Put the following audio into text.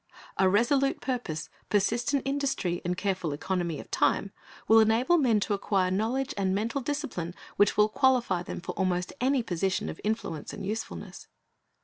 A resolute purpose, persistent industry, and careful economy of time, will enable men to acquire knowledge and mental discipline which will qualify them for almost any position of influence and usefulness.